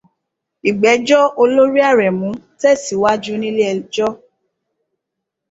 Ìgbẹ́jọ́ olórí Àrẹ̀mú tẹ̀síwájú nílé ẹjọ́.